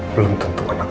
belum tentu anak aku